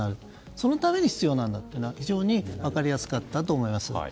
そのために必要なんだと、非常に分かりやすかったと思います。